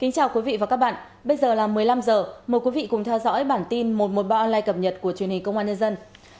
chào mừng quý vị đến với bản tin một trăm một mươi ba online cập nhật của truyền hình công an nhân dân